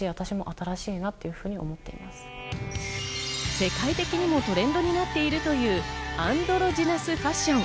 世界的にもトレンドになっているというアンドロジナスファッション。